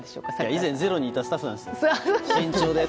以前「ｚｅｒｏ」にいたスタッフなんですよ。